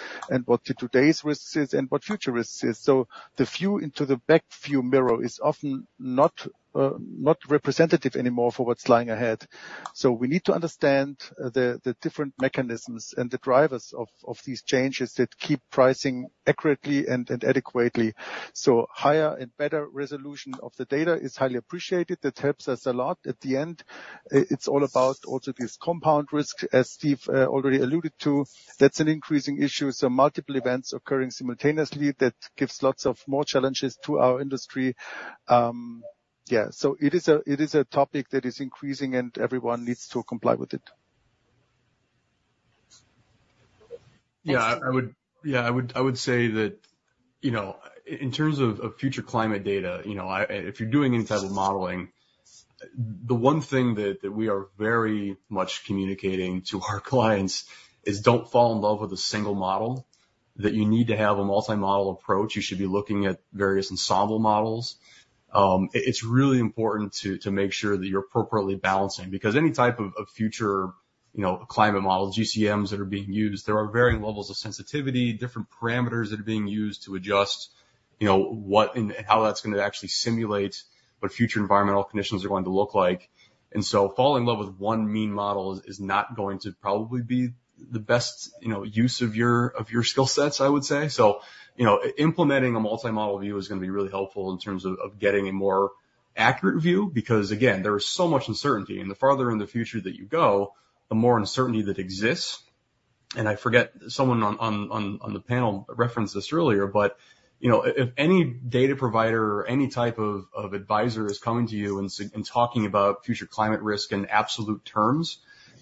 what today's risk is and what future risk is. So the view into the back view mirror is often not, not representative anymore for what's lying ahead. So we need to understand the different mechanisms and the drivers of these changes that keep pricing accurately and adequately. So higher and better resolution of the data is highly appreciated. That helps us a lot. At the end, it's all about also these compound risks, as Steve already alluded to. That's an increasing issue, so multiple events occurring simultaneously, that gives lots of more challenges to our industry. Yeah. So it is a, it is a topic that is increasing, and everyone needs to comply with it. Yeah, I would say that, you know, in terms of future climate data, you know, if you're doing any type of modeling, the one thing that we are very much communicating to our clients is don't fall in love with a single model, that you need to have a multi-model approach. You should be looking at various ensemble models. It's really important to make sure that you're appropriately balancing, because any type of future climate model, GCMs that are being used, there are varying levels of sensitivity, different parameters that are being used to adjust, you know, what and how that's gonna actually simulate what future environmental conditions are going to look like. So, fall in love with one mean model is not going to probably be the best, you know, use of your skill sets, I would say. So, you know, implementing a multi-model view is gonna be really helpful in terms of getting a more accurate view, because, again, there is so much uncertainty, and the farther in the future that you go, the more uncertainty that exists. I forget, someone on the panel referenced this earlier, but, you know, if any data provider or any type of advisor is coming to you and talking about future climate risk in absolute terms,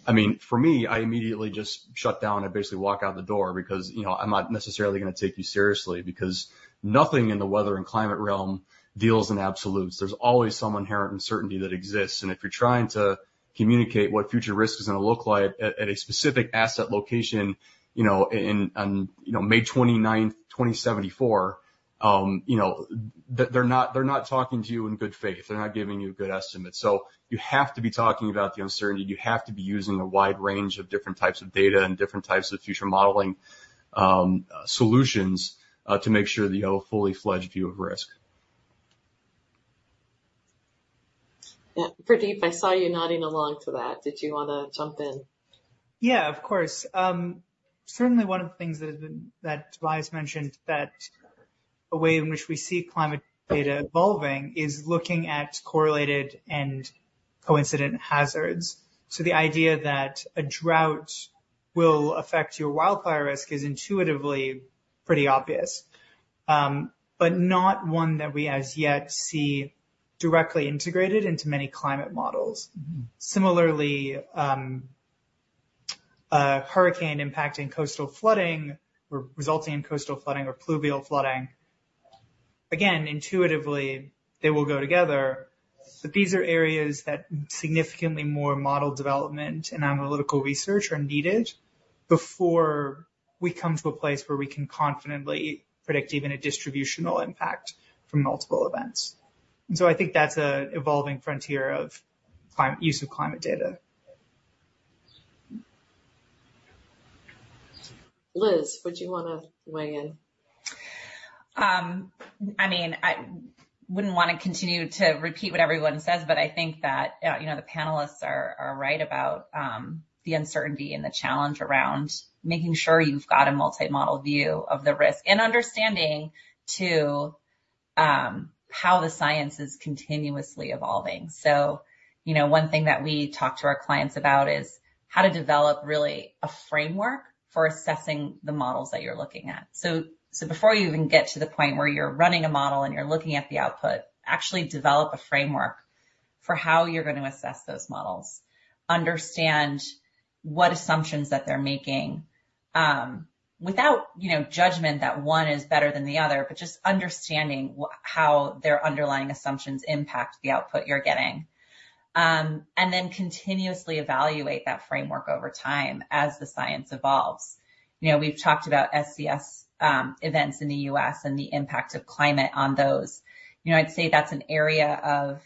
I mean, for me, I immediately just shut down. I basically walk out the door because, you know, I'm not necessarily gonna take you seriously, because nothing in the weather and climate realm deals in absolutes. There's always some inherent uncertainty that exists, and if you're trying to communicate what future risk is gonna look like at a specific asset location, you know, May 29, 2074, you know, they're not talking to you in good faith. They're not giving you a good estimate. So you have to be talking about the uncertainty. You have to be using a wide range of different types of data and different types of future modeling solutions to make sure that you have a fully fledged view of risk. Yeah. Pradeep, I saw you nodding along to that. Did you wanna jump in? Yeah, of course. Certainly one of the things that has been... that Tobias mentioned, that a way in which we see climate data evolving is looking at correlated and coincident hazards. So the idea that a drought-... will affect your wildfire risk is intuitively pretty obvious, but not one that we as yet see directly integrated into many climate models. Similarly, a hurricane impacting coastal flooding or resulting in coastal flooding or pluvial flooding, again, intuitively, they will go together, but these are areas that significantly more model development and analytical research are needed before we come to a place where we can confidently predict even a distributional impact from multiple events. And so I think that's an evolving frontier of climate use of climate data. Liz, would you wanna weigh in? I mean, I wouldn't wanna continue to repeat what everyone says, but I think that, you know, the panelists are right about the uncertainty and the challenge around making sure you've got a multi-model view of the risk, and understanding, too, how the science is continuously evolving. So you know, one thing that we talk to our clients about is how to develop really a framework for assessing the models that you're looking at. So before you even get to the point where you're running a model and you're looking at the output, actually develop a framework for how you're gonna assess those models. Understand what assumptions that they're making, without, you know, judgment that one is better than the other, but just understanding how their underlying assumptions impact the output you're getting. And then continuously evaluate that framework over time as the science evolves. You know, we've talked about SCS events in the U.S. and the impact of climate on those. You know, I'd say that's an area of,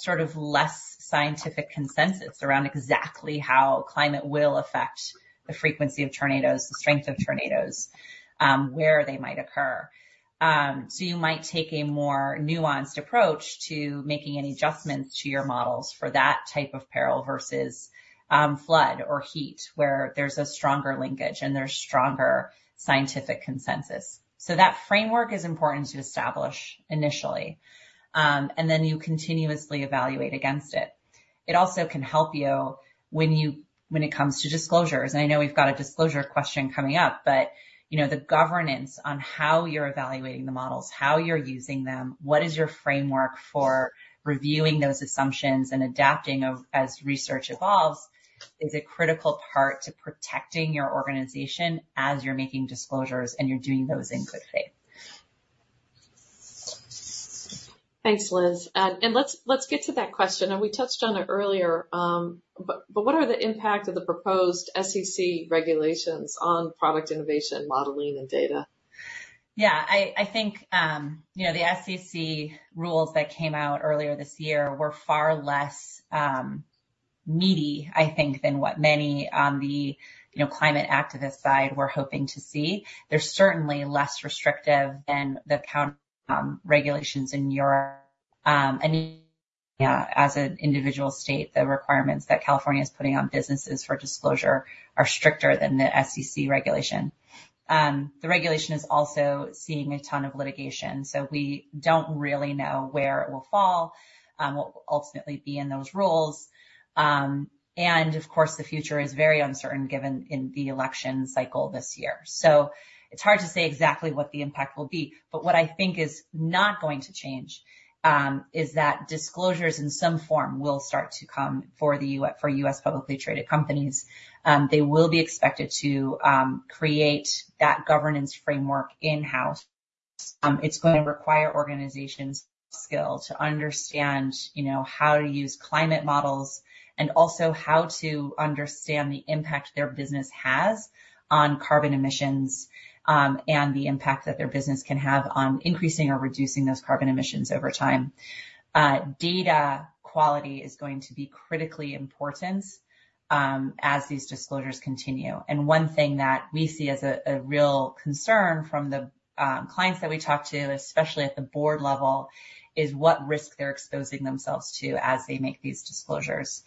sort of less scientific consensus around exactly how climate will affect the frequency of tornadoes, the strength of tornadoes, where they might occur. So you might take a more nuanced approach to making any adjustments to your models for that type of peril versus, flood or heat, where there's a stronger linkage and there's stronger scientific consensus. So that framework is important to establish initially, and then you continuously evaluate against it. It also can help you when it comes to disclosures. I know we've got a disclosure question coming up, but, you know, the governance on how you're evaluating the models, how you're using them, what is your framework for reviewing those assumptions and adapting as research evolves, is a critical part to protecting your organization as you're making disclosures and you're doing those in good faith. Thanks, Liz. And let's get to that question, and we touched on it earlier. But what are the impacts of the proposed SEC regulations on product innovation, modeling, and data? Yeah, I think, you know, the SEC rules that came out earlier this year were far less meaty, I think, than what many on the, you know, climate activist side were hoping to see. They're certainly less restrictive than the regulations in Europe. And as an individual state, the requirements that California is putting on businesses for disclosure are stricter than the SEC regulation. The regulation is also seeing a ton of litigation, so we don't really know where it will fall, what will ultimately be in those rules. And of course, the future is very uncertain given in the election cycle this year. So it's hard to say exactly what the impact will be, but what I think is not going to change is that disclosures in some form will start to come for the U.S. publicly traded companies. They will be expected to create that governance framework in-house. It's going to require organizations' skill to understand, you know, how to use climate models and also how to understand the impact their business has on carbon emissions, and the impact that their business can have on increasing or reducing those carbon emissions over time. Data quality is going to be critically important as these disclosures continue. And one thing that we see as a real concern from the clients that we talk to, especially at the board level, is what risk they're exposing themselves to as they make these disclosures,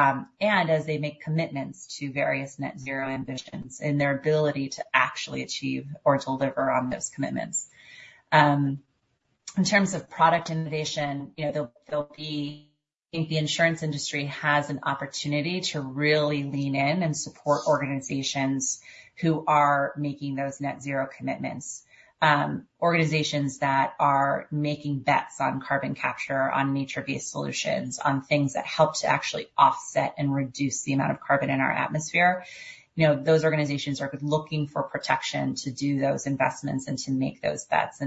and as they make commitments to various net zero ambitions and their ability to actually achieve or deliver on those commitments. In terms of product innovation, you know, there'll be... I think the insurance industry has an opportunity to really lean in and support organizations who are making those net zero commitments. Organizations that are making bets on carbon capture, on nature-based solutions, on things that help to actually offset and reduce the amount of carbon in our atmosphere, you know, those organizations are looking for protection to do those investments and to make those bets.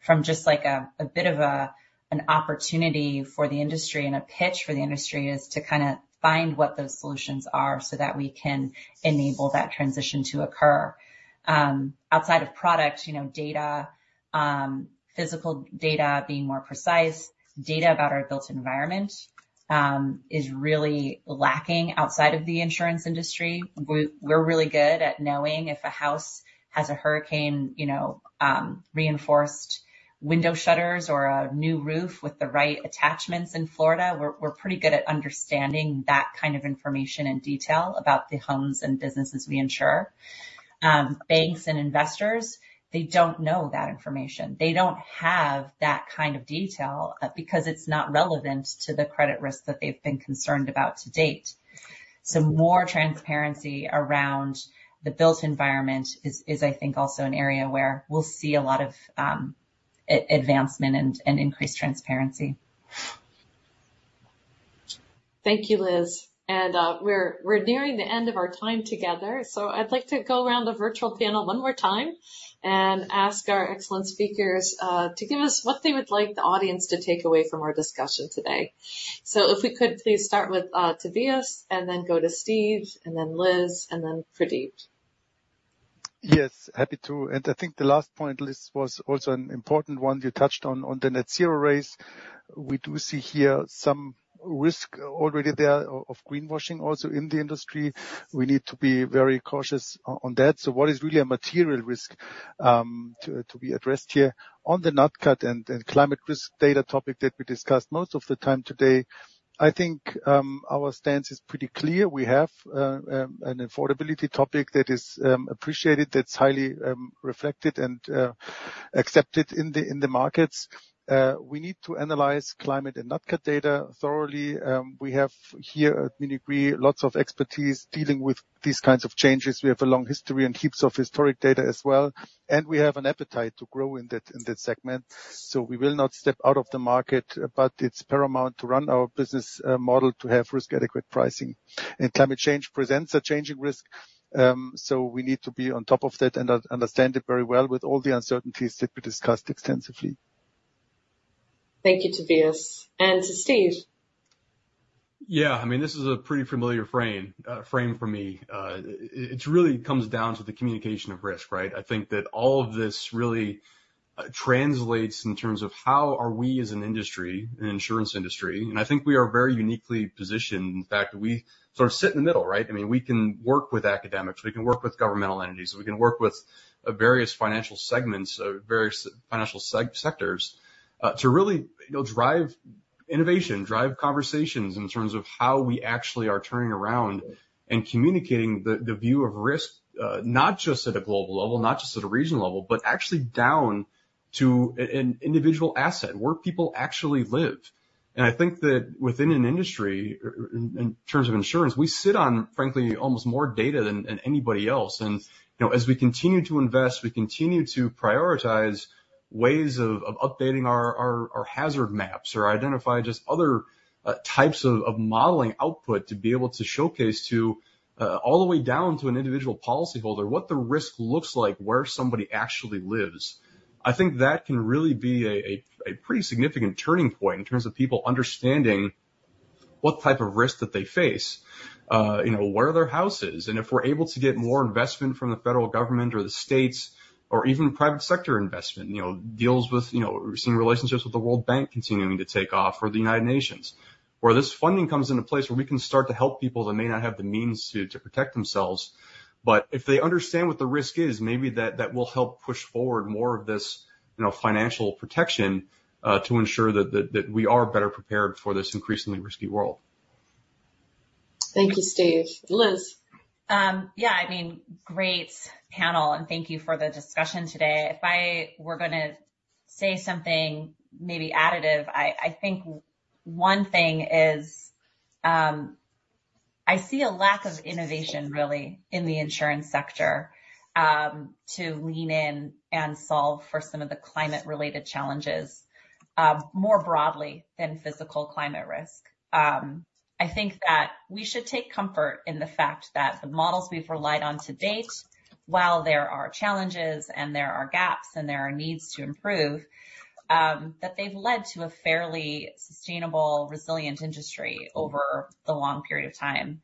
From just like a bit of an opportunity for the industry and a pitch for the industry is to kinda find what those solutions are so that we can enable that transition to occur. Outside of product, you know, data, physical data being more precise, data about our built environment, is really lacking outside of the insurance industry. We're really good at knowing if a house has a hurricane, you know, reinforced window shutters or a new roof with the right attachments in Florida. We're pretty good at understanding that kind of information and detail about the homes and businesses we insure. Banks and investors, they don't know that information. They don't have that kind of detail, because it's not relevant to the credit risk that they've been concerned about to date. So more transparency around the built environment is, I think, also an area where we'll see a lot of advancement and increased transparency. Thank you, Liz. We're nearing the end of our time together, so I'd like to go around the virtual panel one more time and ask our excellent speakers to give us what they would like the audience to take away from our discussion today. If we could please start with Tobias, and then go to Steve, and then Liz, and then Pradeep. Yes, happy to. I think the last point, Liz, was also an important one. You touched on the net zero race. We do see here some risk already there of greenwashing also in the industry. We need to be very cautious on that. What is really a material risk to be addressed here? On the Nat Cat and climate risk data topic that we discussed most of the time today, I think our stance is pretty clear. We have an affordability topic that is appreciated, that's highly reflected and accepted in the markets. We need to analyze climate and Nat Cat data thoroughly. We have here at Munich Re lots of expertise dealing with these kinds of changes. We have a long history and heaps of historic data as well, and we have an appetite to grow in that, in that segment. So we will not step out of the market, but it's paramount to run our business model to have risk-adequate pricing. And climate change presents a changing risk, so we need to be on top of that and understand it very well with all the uncertainties that we discussed extensively. Thank you, Tobias. And to Steve. Yeah, I mean, this is a pretty familiar frame for me. It really comes down to the communication of risk, right? I think that all of this really translates in terms of how are we as an industry, an insurance industry, and I think we are very uniquely positioned. In fact, we sort of sit in the middle, right? I mean, we can work with academics, we can work with governmental entities, we can work with various financial segments, various financial sectors, to really, you know, drive innovation, drive conversations in terms of how we actually are turning around and communicating the view of risk, not just at a global level, not just at a regional level, but actually down to an individual asset where people actually live. I think that within an industry, in terms of insurance, we sit on, frankly, almost more data than anybody else. You know, as we continue to invest, we continue to prioritize ways of updating our hazard maps or identify just other types of modeling output to be able to showcase to all the way down to an individual policyholder, what the risk looks like, where somebody actually lives. I think that can really be a pretty significant turning point in terms of people understanding what type of risk that they face, you know, where are their houses, and if we're able to get more investment from the federal government or the states, or even private sector investment, you know, deals with, you know, seeing relationships with the World Bank continuing to take off, or the United Nations. Where this funding comes into place, where we can start to help people that may not have the means to protect themselves. But if they understand what the risk is, maybe that will help push forward more of this, you know, financial protection, to ensure that we are better prepared for this increasingly risky world. Thank you, Steve. Liz? Yeah, I mean, great panel, and thank you for the discussion today. If I were gonna say something maybe additive, I think one thing is, I see a lack of innovation really in the insurance sector to lean in and solve for some of the climate related challenges more broadly than physical climate risk. I think that we should take comfort in the fact that the models we've relied on to date, while there are challenges and there are gaps and there are needs to improve, that they've led to a fairly sustainable, resilient industry over the long period of time.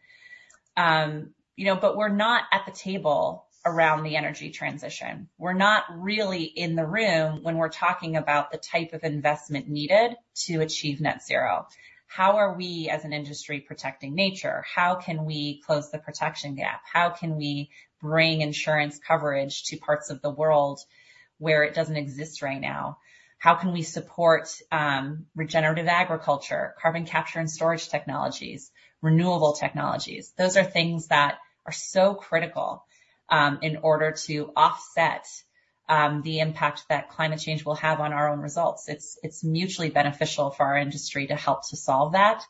You know, but we're not at the table around the energy transition. We're not really in the room when we're talking about the type of investment needed to achieve net zero. How are we, as an industry, protecting nature? How can we close the protection gap? How can we bring insurance coverage to parts of the world where it doesn't exist right now? How can we support regenerative agriculture, carbon capture and storage technologies, renewable technologies? Those are things that are so critical in order to offset the impact that climate change will have on our own results. It's mutually beneficial for our industry to help to solve that,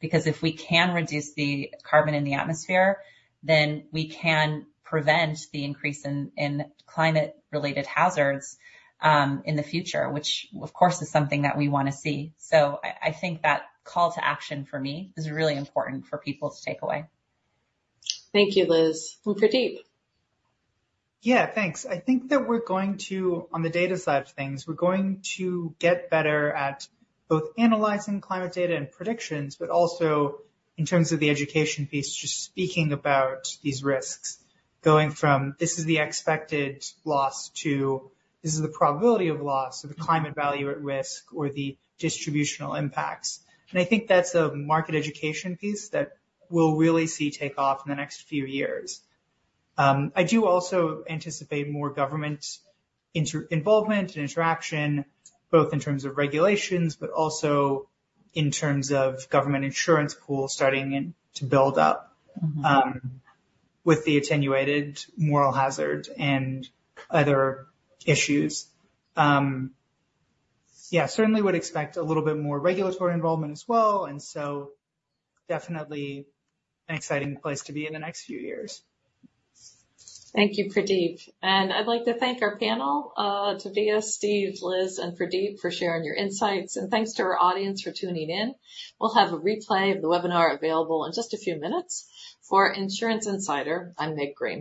because if we can reduce the carbon in the atmosphere, then we can prevent the increase in climate-related hazards in the future, which, of course, is something that we wanna see. So I think that call to action for me is really important for people to take away. Thank you, Liz. And Pradeep? Yeah, thanks. I think that we're going to... On the data side of things, we're going to get better at both analyzing climate data and predictions, but also in terms of the education piece, just speaking about these risks, going from this is the expected loss to this is the probability of loss or the climate value at risk or the distributional impacts. And I think that's a market education piece that we'll really see take off in the next few years. I do also anticipate more government intervention and interaction, both in terms of regulations, but also in terms of government insurance pools starting in, to build up- Mm-hmm... with the attenuated moral hazard and other issues. Yeah, certainly would expect a little bit more regulatory involvement as well, and so definitely an exciting place to be in the next few years. Thank you, Pradeep. I'd like to thank our panel, Tobias, Steve, Liz, and Pradeep for sharing your insights. Thanks to our audience for tuning in. We'll have a replay of the webinar available in just a few minutes. For Insurance Insider, I'm Meg Green.